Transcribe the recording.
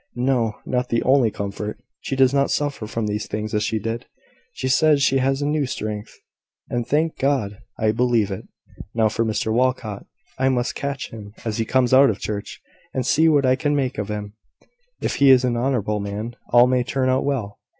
No; not the only comfort. She does not suffer from these things as she did. She says she has a new strength; and, thank God! I believe it. Now for Mr Walcot! I must catch him as he comes out of church, and see what I can make of him. If he is an honourable man, all may turn out well.